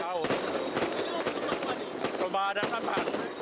lomba ada sampah